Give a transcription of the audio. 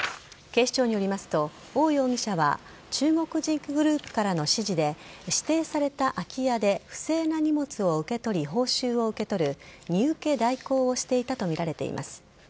警視庁によりますとオウ容疑者は中国人グループからの指示で指定された空き家で不正な荷物を受け取り報酬を受け取る荷受け代行をしていたとみられています。